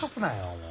もう。